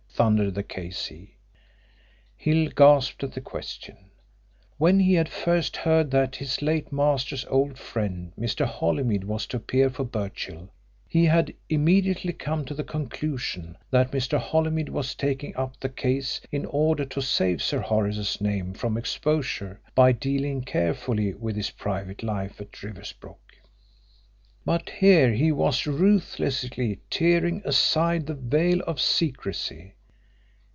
thundered the K.C. Hill gasped at the question. When he had first heard that his late master's old friend, Mr. Holymead, was to appear for Birchill, he had immediately come to the conclusion that Mr. Holymead was taking up the case in order to save Sir Horace's name from exposure by dealing carefully with his private life at Riversbrook. But here he was ruthlessly tearing aside the veil of secrecy.